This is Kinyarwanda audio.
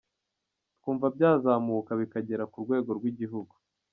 Twumva byazamuka bikagera ku rwego rw’igihugu.